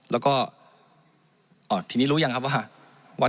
แล้วก็ทีนี้รู้ยังครับว่า